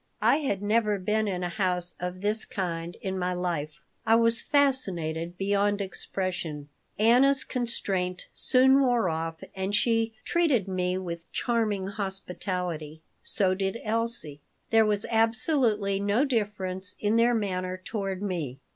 I had never been in a house of this kind in my life. I was fascinated beyond expression Anna's constraint soon wore off and she treated me with charming hospitality. So did Elsie. There was absolutely no difference in their manner toward me.